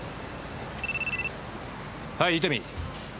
はい伊丹。